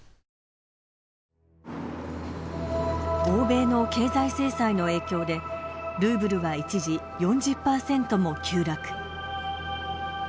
欧米の経済制裁の影響でルーブルは一時、４０％も急落。